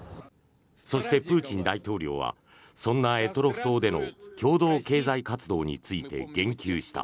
そして、プーチン大統領はそんな択捉島での共同経済活動について言及した。